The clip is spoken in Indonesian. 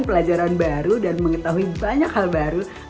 pelajaran baru dan mengetahui banyak hal baru